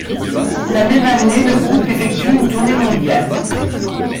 La même année, le groupe effectue une tournée mondiale.